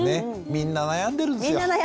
みんな悩んでるんですよ。